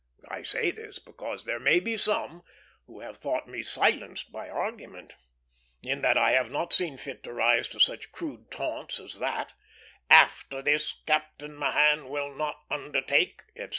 I say this because there may be some who have thought me silenced by argument, in that I have not seen fit to rise to such crude taunts as that, "After this Captain Mahan will not undertake," etc.